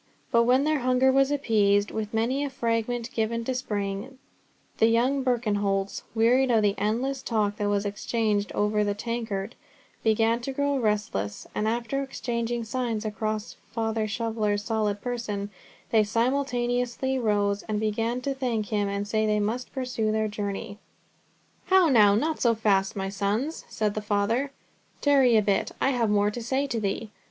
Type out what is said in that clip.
But when their hunger was appeased, with many a fragment given to Spring, the young Birkenholts, wearied of the endless talk that was exchanged over the tankard, began to grow restless, and after exchanging signs across Father Shoveller's solid person, they simultaneously rose, and began to thank him and say they must pursue their journey. "How now, not so fast, my sons," said the Father; "tarry a bit, I have more to say to thee.